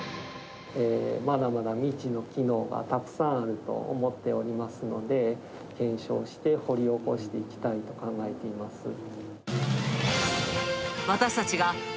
まだまだ未知の機能がたくさんあると思っておりますので、検証して掘り起こしていきたいと考えております。